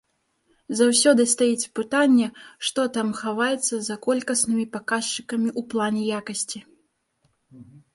Заўсёды стаіць пытанне, што там хаваецца за колькаснымі паказчыкамі ў плане якасці.